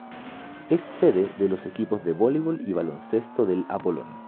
Es sede de los equipos de voleibol y baloncesto del Apollon.